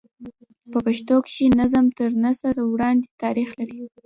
په پښتو کښي نظم تر نثر وړاندي تاریخ لري.